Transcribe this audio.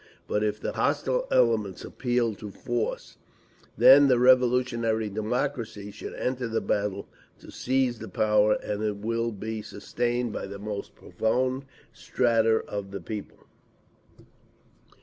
But if the hostile elements appeal to force, then the revolutionary democracy should enter the battle to seize the power, and it will be sustained by the most profound strata of the people….